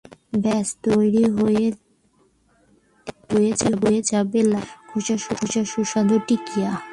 ব্যাস তৈরি হয়ে যাবে লাউয়ের খোসার সুস্বাদু টিকিয়া।